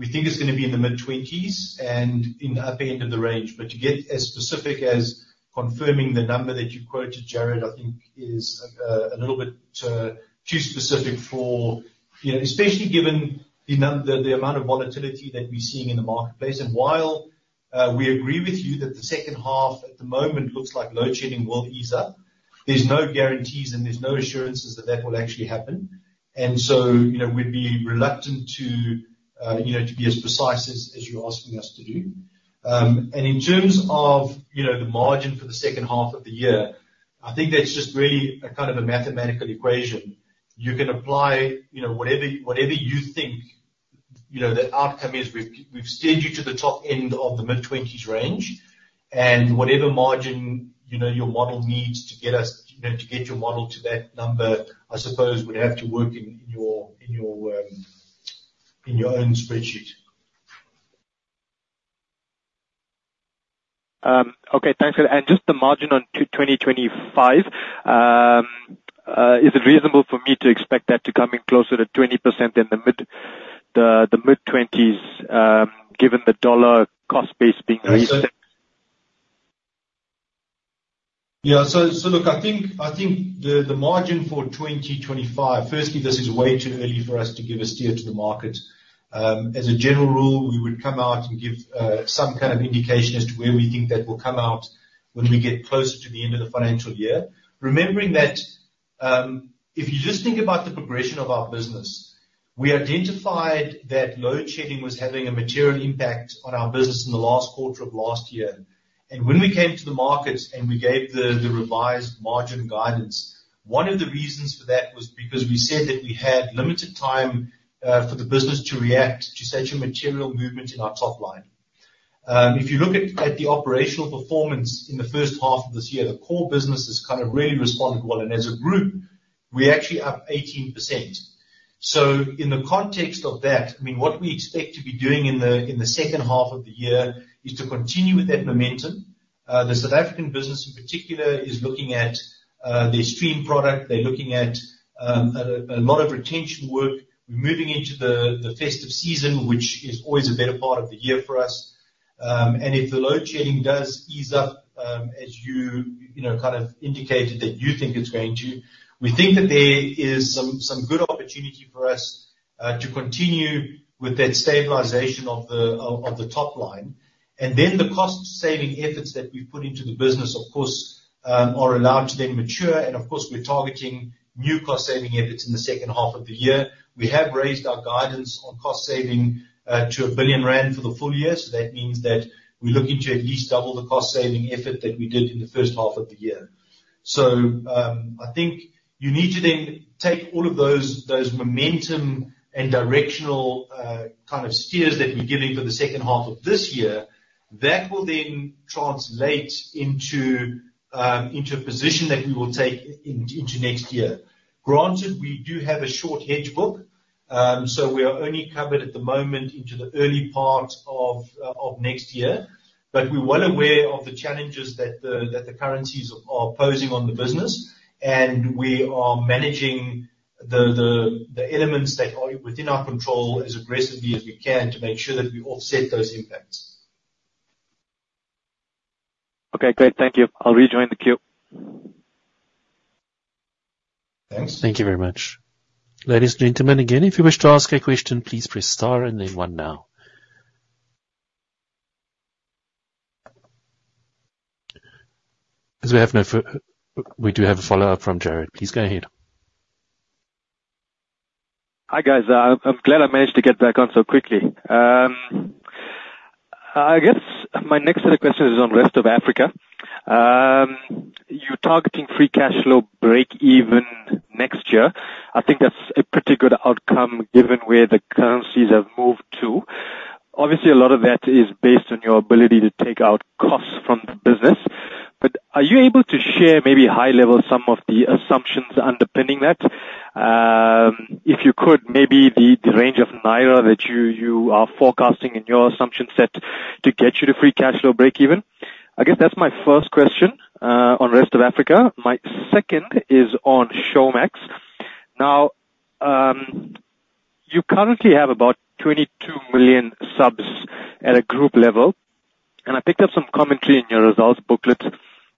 we think it's gonna be in the mid-twenties and in the upper end of the range. But to get as specific as confirming the number that you quoted, Jared, I think is a little bit too specific for... You know, especially given the amount of volatility that we're seeing in the marketplace. And while we agree with you that the second half, at the moment, looks like load shedding will ease up, there's no guarantees, and there's no assurances that that will actually happen. And so, you know, we'd be reluctant to, you know, to be as precise as you're asking us to do. In terms of, you know, the margin for the second half of the year, I think that's just really a kind of a mathematical equation. You can apply, you know, whatever you think, you know, the outcome is. We've steered you to the top end of the mid-twenties range, and whatever margin, you know, your model needs to get us, you know, to get your model to that number, I suppose would have to work in your own spreadsheet. Okay, thanks. And just the margin on 2025, is it reasonable for me to expect that to come in closer to 20% than the mid-20s, given the dollar cost base being raised? Yeah. Look, I think the margin for 2025... Firstly, this is way too early for us to give a steer to the market. As a general rule, we would come out and give some kind of indication as to where we think that will come out when we get closer to the end of the financial year. Remembering that, if you just think about the progression of our business, we identified that load shedding was having a material impact on our business in the last quarter of last year. And when we came to the market and we gave the revised margin guidance, one of the reasons for that was because we said that we had limited time for the business to react to such a material movement in our top line. If you look at the operational performance in the first half of this year, the core business has kind of really responded well, and as a group, we're actually up 18%. So in the context of that, I mean, what we expect to be doing in the second half of the year is to continue with that momentum. The South African business, in particular, is looking at their stream product. They're looking at a lot of retention work. We're moving into the festive season, which is always a better part of the year for us. And if the load shedding does ease up, as you know, kind of indicated that you think it's going to, we think that there is some good opportunity for us to continue with that stabilization of the top line. And then the cost saving efforts that we've put into the business, of course, are allowed to then mature. And of course, we're targeting new cost saving efforts in the second half of the year. We have raised our guidance on cost saving to 1 billion rand for the full year. So that means that we're looking to at least double the cost-saving effort that we did in the first half of the year. So, I think you need to then take all of those momentum and directional kind of steers that we're giving for the second half of this year. That will then translate into a position that we will take into next year. Granted, we do have a short hedge book, so we are only covered at the moment into the early part of next year. But we're well aware of the challenges that the currencies are posing on the business, and we are managing the elements that are within our control as aggressively as we can, to make sure that we offset those impacts. Okay, great. Thank you. I'll rejoin the queue. Thanks. Thank you very much. Ladies and gentlemen, again, if you wish to ask a question, please press Star and then one now. As we have, we do have a follow-up from Jared. Please go ahead. Hi, guys. I'm glad I managed to get back on so quickly. I guess my next set of questions is on Rest of Africa. You're targeting free cash flow breakeven next year. I think that's a pretty good outcome, given where the currencies have moved to. Obviously, a lot of that is based on your ability to take out costs from the business. But are you able to share maybe a high-level some of the assumptions underpinning that? If you could, maybe the range of naira that you are forecasting in your assumption set to get you to free cash flow breakeven. I guess that's my first question on Rest of Africa. My second is on Showmax. Now, you currently have about 22 million subs at a group level, and I picked up some commentary in your results booklet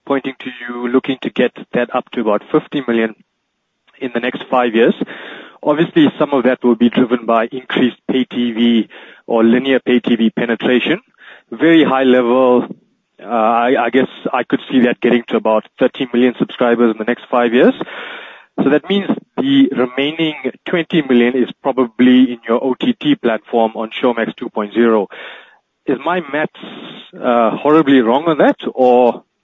pointing to you looking to get that up to about 50 million in the next five years. Obviously, some of that will be driven by increased pay TV or linear pay TV penetration. Very high level, I guess I could see that getting to about 30 million subscribers in the next five years. So that means the remaining 20 million is probably in your OTT platform on Showmax 2.0. Is my math horribly wrong on that?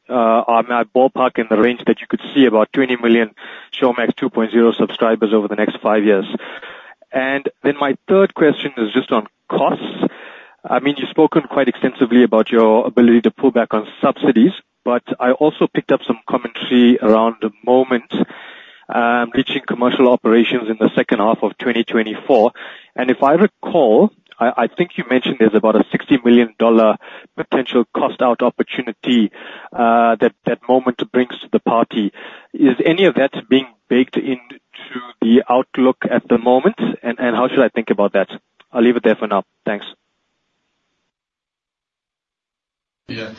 Or am I ballpark in the range that you could see about 20 million Showmax 2.0 subscribers over the next five years? And then my third question is just on costs. I mean, you've spoken quite extensively about your ability to pull back on subsidies, but I also picked up some commentary around the Moment reaching commercial operations in the second half of 2024. And if I recall, I think you mentioned there's about a $60 million potential cost out opportunity that Moment brings to the party. Is any of that being baked into the outlook at the moment? And how should I think about that? I'll leave it there for now. Thanks. Yeah.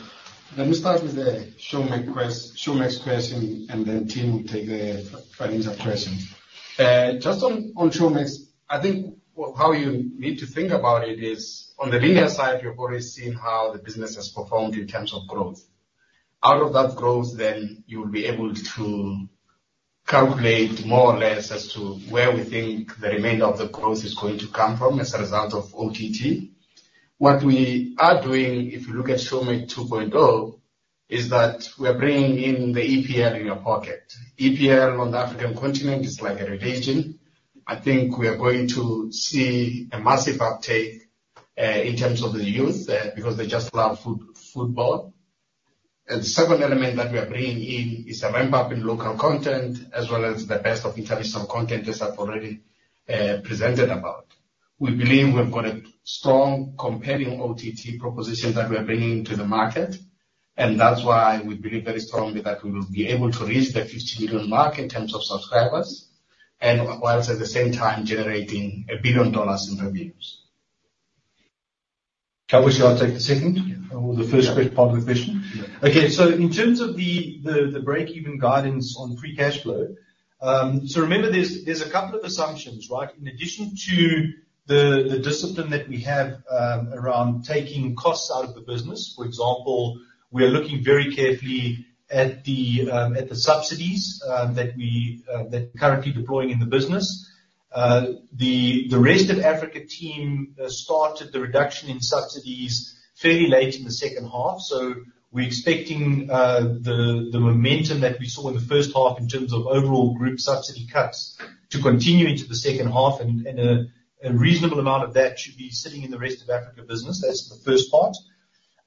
Let me start with the Showmax question, and then Tim will take the financial question. Just on Showmax, I think how you need to think about it is, on the linear side, you've already seen how the business has performed in terms of growth. Out of that growth, then you'll be able to calculate more or less as to where we think the remainder of the growth is going to come from as a result of OTT. What we are doing, if you look at Showmax 2.0, is that we are bringing in the EPL in your pocket. EPL on the African continent is like a religion. I think we are going to see a massive uptake in terms of the youth because they just love football. The second element that we are bringing in is a ramp-up in local content, as well as the best of international content, as I've already presented about. We believe we've got a strong, compelling OTT proposition that we are bringing to the market, and that's why we believe very strongly that we will be able to reach the 50 million mark in terms of subscribers, and whilst at the same time generating $1 billion in revenues. Tim, you want to take the second or the first part of the question? Yeah. Okay. So in terms of the break-even guidance on free cash flow, so remember, there's a couple of assumptions, right? In addition to the discipline that we have around taking costs out of the business, for example, we are looking very carefully at the subsidies that we're currently deploying in the business. The Rest of Africa team started the reduction in subsidies fairly late in the second half, so we're expecting the momentum that we saw in the first half in terms of overall group subsidy cuts to continue into the second half. And a reasonable amount of that should be sitting in the Rest of Africa business. That's the first part.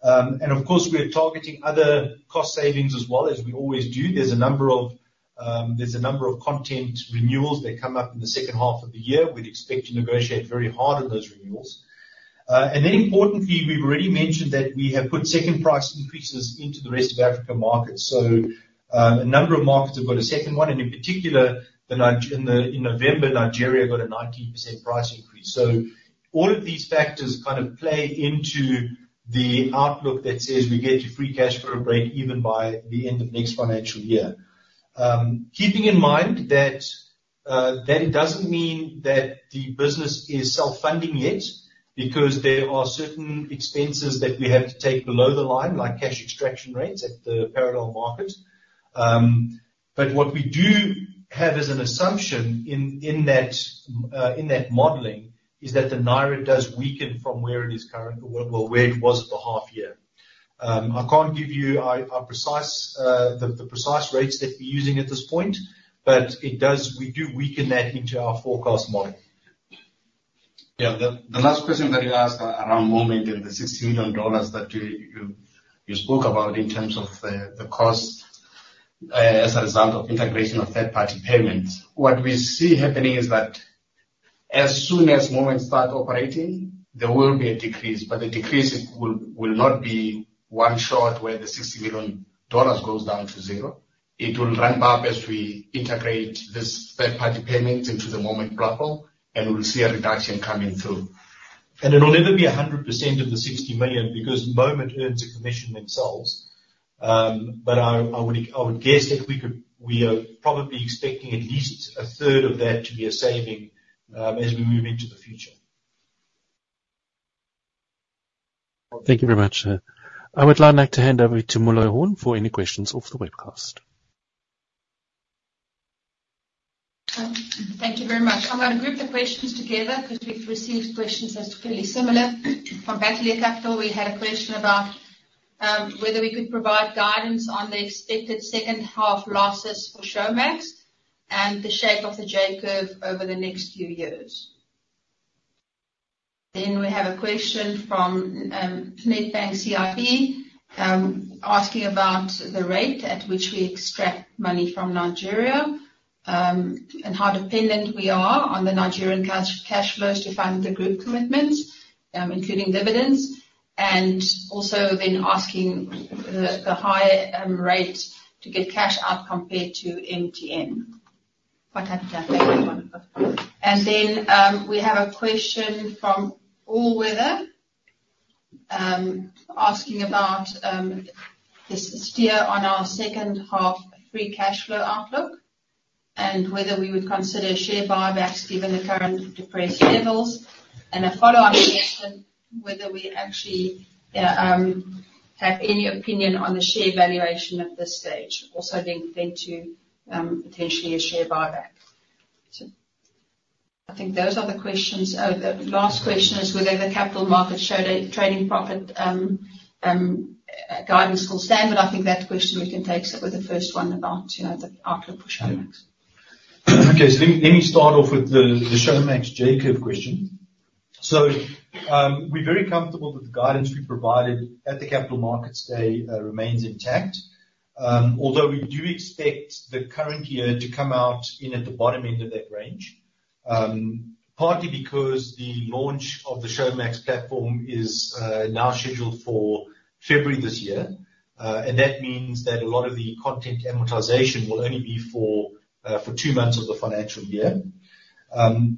And of course, we are targeting other cost savings as well, as we always do. There's a number of content renewals that come up in the second half of the year. We'd expect to negotiate very hard on those renewals. And then importantly, we've already mentioned that we have put second price increases into the Rest of Africa markets. So, a number of markets have got a second one, and in particular, in Nigeria, in November, Nigeria got a 19% price increase. So all of these factors kind of play into the outlook that says we get to free cash flow break-even by the end of next financial year. Keeping in mind that it doesn't mean that the business is self-funding yet, because there are certain expenses that we have to take below the line, like cash extraction rates at the parallel market. But what we do have as an assumption in that modeling is that the Naira does weaken from where it is currently. Well, where it was for the half year. I can't give you a precise, the precise rates that we're using at this point, but it does, we do weaken that into our forecast model. Yeah. The last question that you asked around Moment and the $60 million that you spoke about in terms of the cost as a result of integration of third-party payments. What we see happening is that as soon as Moment starts operating, there will be a decrease, but the decrease will not be one short, where the $60 million goes down to zero. It will ramp up as we integrate this third-party payments into the Moment platform, and we'll see a reduction coming through. It'll never be 100% of the 60 million, because Moment earns a commission themselves. But I would guess that we could—we are probably expecting at least a third of that to be a saving, as we move into the future. Thank you very much. I would now like to hand over to Meloy Horn for any questions off the webcast. Thank you very much. I'm gonna group the questions together, 'cause we've received questions that's fairly similar. From Batabile Capital, we had a question about whether we could provide guidance on the expected second half losses for Showmax and the shape of the J-curve over the next few years. Then we have a question from Nedbank CIB asking about the rate at which we extract money from Nigeria and how dependent we are on the Nigerian cash cash flows to fund the group commitments including dividends. And also then asking the high rate to get cash out compared to MTN. Quite happy to take that one. And then we have a question from All Weather asking about the steer on our second half free cash flow outlook, and whether we would consider share buybacks given the current depressed levels. A follow-up question, whether we actually have any opinion on the share valuation at this stage, also being linked to potentially a share buyback. I think those are the questions. The last question is whether the Capital Markets Day showed a trading profit guidance called standard. I think that question we can take with the first one about, you know, the outlook for Showmax. Okay, so let me start off with the Showmax J-curve question. So, we're very comfortable that the guidance we provided at the Capital Markets Day remains intact. Although we do expect the current year to come out at the bottom end of that range, partly because the launch of the Showmax platform is now scheduled for February this year. And that means that a lot of the content amortization will only be for two months of the financial year.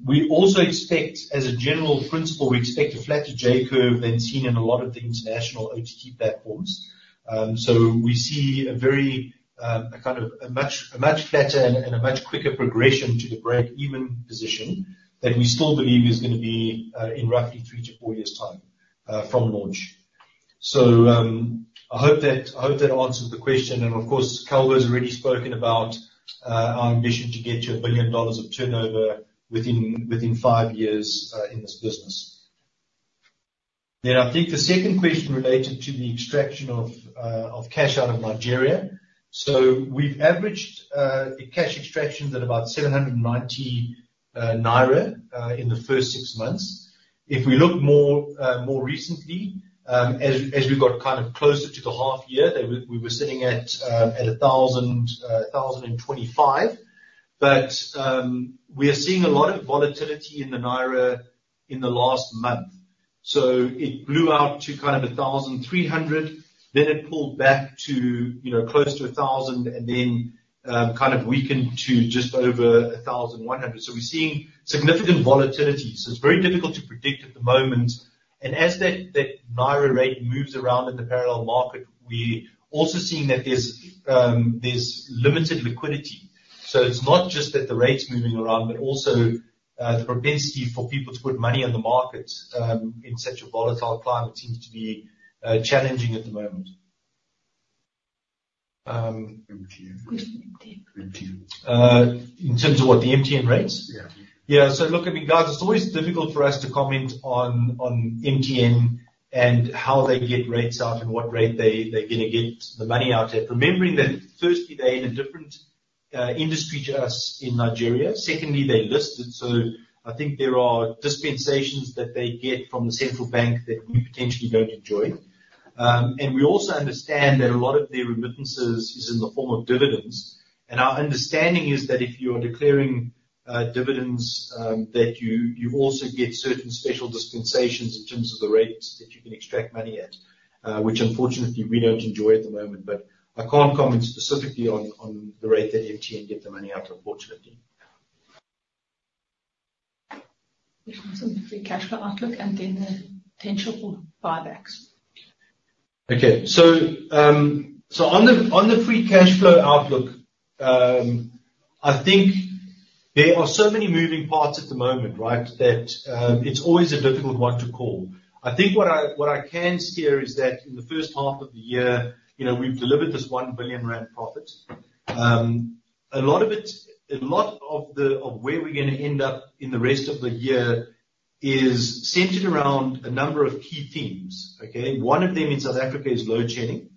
We also expect, as a general principle, a flatter J-curve than seen in a lot of the international OTT platforms. So we see a very... a kind of much flatter and much quicker progression to the break-even position that we still believe is gonna be in roughly 3-4 years' time from launch. So, I hope that answers the question. And of course, Calvo has already spoken about our ambition to get to $1 billion of turnover within 5 years in this business. Then I think the second question related to the extraction of cash out of Nigeria. So we've averaged the cash extractions at about 790 naira in the first six months. If we look more recently, as we got kind of closer to the half year, we were sitting at 1,025. But, we are seeing a lot of volatility in the Naira in the last month. So it blew out to kind of 1,300, then it pulled back to, you know, close to 1,000, and then, kind of weakened to just over 1,100. So we're seeing significant volatility. So it's very difficult to predict at the moment. And as that, that Naira rate moves around in the parallel market, we're also seeing that there's, there's limited liquidity. So it's not just that the rate's moving around, but also, the propensity for people to put money on the market, in such a volatile climate seems to be, challenging at the moment. MTN. In terms of what? The MTN rates? Yeah. Yeah. So look, I mean, guys, it's always difficult for us to comment on MTN and how they get rates out and what rate they're gonna get the money out at. Remembering that, firstly, they're in a different industry to us in Nigeria. Secondly, they're listed, so I think there are dispensations that they get from the central bank that we potentially don't enjoy. And we also understand that a lot of their remittances is in the form of dividends, and our understanding is that if you are declaring dividends, that you also get certain special dispensations in terms of the rates that you can extract money at, which unfortunately, we don't enjoy at the moment. But I can't comment specifically on the rate that MTN get the money out, unfortunately. There's also the free cash flow outlook and then the potential for buybacks. Okay. So, on the free cash flow outlook, I think there are so many moving parts at the moment, right? That it's always a difficult one to call. I think what I can steer is that in the first half of the year, you know, we've delivered this 1 billion rand profit. A lot of it, a lot of where we're gonna end up in the rest of the year is centered around a number of key themes, okay? One of them in South Africa is load shedding.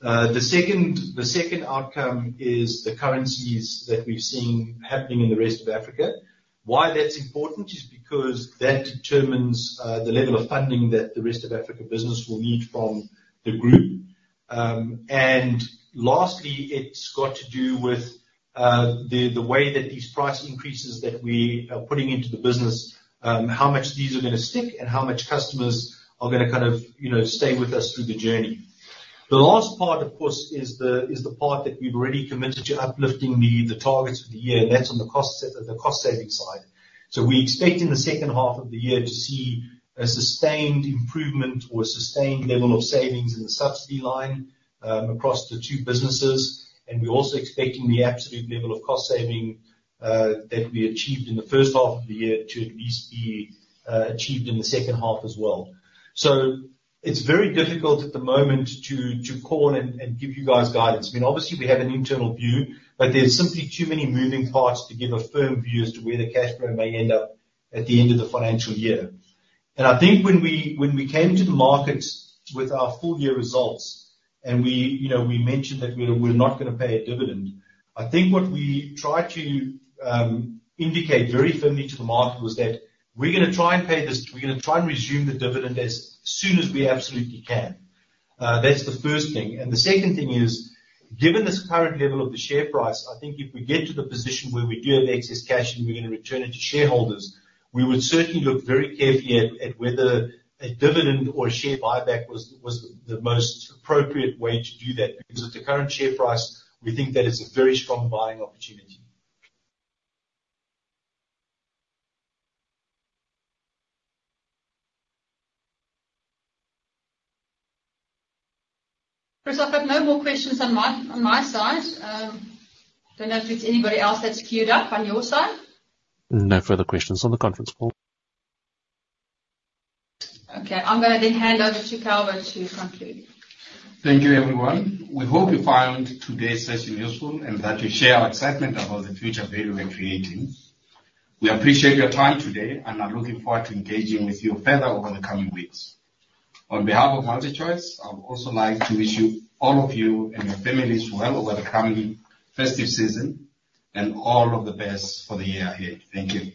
The second outcome is the currencies that we've seen happening in the Rest of Africa. Why that's important is because that determines the level of funding that the Rest of Africa business will need from the group. And lastly, it's got to do with the way that these price increases that we are putting into the business, how much these are gonna stick and how much customers are gonna kind of, you know, stay with us through the journey. The last part, of course, is the part that we've already committed to uplifting the targets for the year, and that's on the cost-saving side. So we expect in the second half of the year to see a sustained improvement or a sustained level of savings in the subsidy line, across the two businesses. And we're also expecting the absolute level of cost saving that we achieved in the first half of the year to at least be achieved in the second half as well. So it's very difficult at the moment to call and give you guys guidance. I mean, obviously, we have an internal view, but there's simply too many moving parts to give a firm view as to where the cash flow may end up at the end of the financial year. And I think when we came to the market with our full-year results, and we, you know, we mentioned that we're not gonna pay a dividend. I think what we tried to indicate very firmly to the market was that we're gonna try and pay this. We're gonna try and resume the dividend as soon as we absolutely can. That's the first thing. The second thing is, given this current level of the share price, I think if we get to the position where we do have excess cash and we're gonna return it to shareholders, we would certainly look very carefully at whether a dividend or a share buyback was the most appropriate way to do that. Because at the current share price, we think that it's a very strong buying opportunity. Chris, I've got no more questions on my side. Don't know if there's anybody else that's queued up on your side? No further questions on the conference call. Okay. I'm gonna then hand over to Calvo to conclude. Thank you, everyone. We hope you found today's session useful, and that you share our excitement about the future value we're creating. We appreciate your time today, and are looking forward to engaging with you further over the coming weeks. On behalf of MultiChoice, I would also like to wish you, all of you and your families well over the coming festive season, and all of the best for the year ahead. Thank you.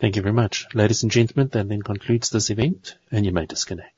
Thank you very much. Ladies and gentlemen, that then concludes this event, and you may disconnect.